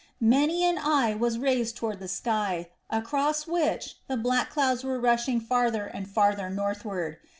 Many an eye was raised toward the sky, across which the black clouds were rushing farther and farther northward.